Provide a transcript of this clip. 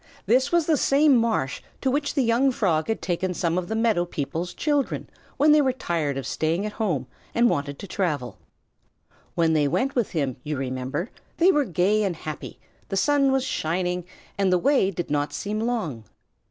This was the same marsh to which the young Frog had taken some of the meadow people's children when they were tired of staying at home and wanted to travel. When they went with him, you remember, they were gay and happy, the sun was shining, and the way did not seem long.